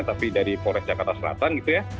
tapi dari polres jakarta selatan